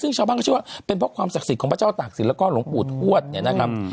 ซึ่งชาวบ้านก็เชื่อว่าเป็นเพราะความศักดิ์สิทธิ์ของพระเจ้าตากศิลปแล้วก็หลวงปู่ทวดเนี่ยนะครับ